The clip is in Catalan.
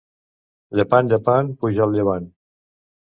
Llepant, llepant, puja el llevant.